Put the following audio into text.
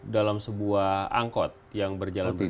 dalam sebuah angkot yang berjalan bersama